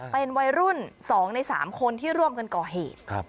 เป็นวัยรุ่น๒ใน๓คนที่ร่วมกันก่อเหตุ